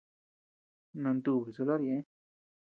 Nantubi celular ñeʼe.